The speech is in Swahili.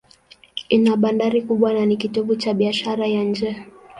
Ina bandari kubwa na ni kitovu cha biashara ya nje.